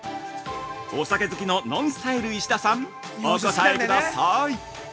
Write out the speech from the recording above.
お酒好きのＮＯＮＳＴＹＬＥ石田さん、お答えください。